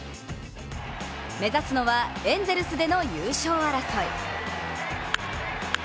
目指すのはエンゼルスでの優勝争い。